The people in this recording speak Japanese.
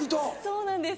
そうなんです。